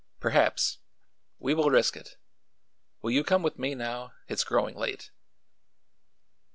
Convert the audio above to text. "Perhaps. We will risk it. Will you come with me now? It's growing late."